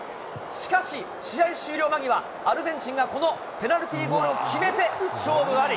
しかし、試合終了間際、アルゼンチンがこのペナルティーゴールを決めて、勝負あり。